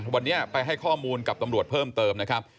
วันนี้ไปให้ข้อมูลกับตำรวจเพิ่มเติมนะครับ